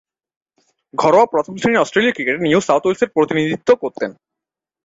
ঘরোয়া প্রথম-শ্রেণীর অস্ট্রেলীয় ক্রিকেটে নিউ সাউথ ওয়েলসের প্রতিনিধিত্ব করতেন।